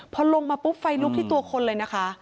พอลงมาปุ๊บไฟลุกที่ตัวคนเลยนะคะ